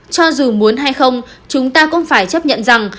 cho dù muốn hay không chúng ta cũng phải chấp nhận rằng